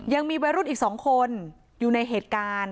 ยังมีวัยรุ่นอีก๒คนอยู่ในเหตุการณ์